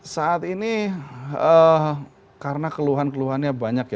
saat ini karena keluhan keluhannya banyak ya